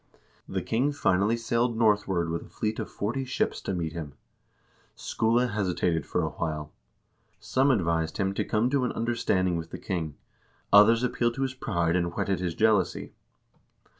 The king finally sailed northward with a fleet of forty ships to meet him. Skule hesitated for a while. Some advised him to come to an understanding with the king, others appealed to his pride and whetted his jealousy.